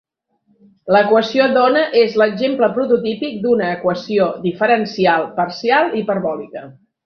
L'equació d'ona és l'exemple prototípic d'una equació diferencial parcial hiperbòlica.